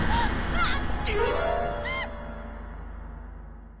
あっ！